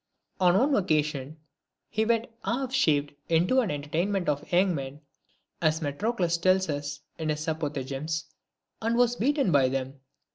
On one occasion he went half shaved into an entertainment of young men, as Metrocles tells us in his Apophthegms, and so was beaten by them.